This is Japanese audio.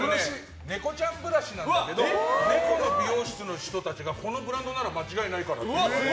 猫ちゃんブラシなんだけど猫の美容室の人たちがこのブランドなら間違いないからって言われて。